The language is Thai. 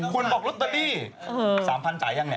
ควรบอกรอตเตอรี่สามพันธุ์จ่ายังไง